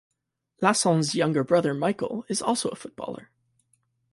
Lacen's younger brother, Michael, is also a footballer.